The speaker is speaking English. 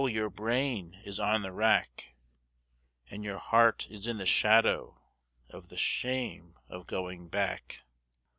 your brain is on the rack, And your heart is in the shadow of the shame of going back.